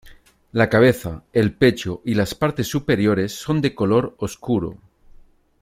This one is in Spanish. La cabeza, el pecho y las partes superiores son de color oscuro.